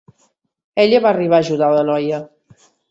Ella va arribar a ajudar la noia.